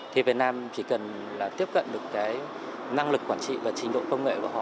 thì việt nam chỉ cần là tiếp cận được cái năng lực quản trị và trình độ công nghệ của họ